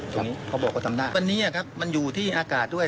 ผมเขาบอกว่าทำได้วันนี้ครับมันอยู่ที่อากาศด้วย